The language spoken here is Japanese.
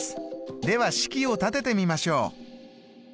では式を立ててみましょう。